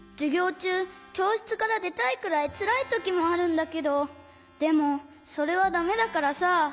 ちゅうきょうしつからでたいくらいつらいときもあるんだけどでもそれはだめだからさ。